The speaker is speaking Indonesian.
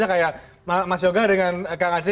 kayak mas yoga dengan kang aceh